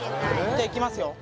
じゃあいきますよ